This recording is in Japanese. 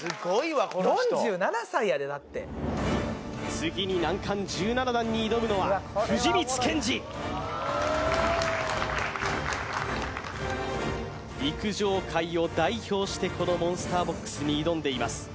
次に難関・１７段に挑むのは藤光謙司陸上界を代表してこのモンスターボックスに挑んでいます